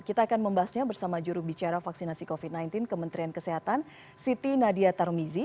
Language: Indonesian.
kita akan membahasnya bersama jurubicara vaksinasi covid sembilan belas kementerian kesehatan siti nadia tarmizi